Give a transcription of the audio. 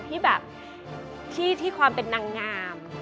ที่แบบที่ความเป็นนางงาม